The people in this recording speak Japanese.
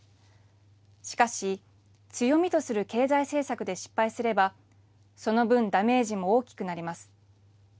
しかし、強みとする経済政策で失敗すれば、その分、ダメージも大きくなります。